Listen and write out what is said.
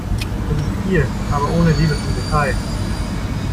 Es ist viel, aber ohne Liebe zum Detail.